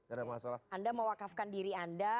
anda mewakafkan diri anda